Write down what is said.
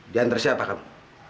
diantar siapa kamu